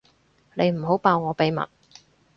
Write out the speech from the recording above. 你唔好爆我秘密